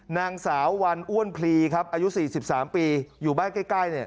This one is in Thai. นางสาววันอ้วนพลีครับอายุ๔๓ปีอยู่บ้านใกล้เนี่ย